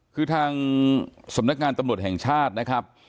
คือทางสำนักงานตำรวจแห่งชาตินะครับ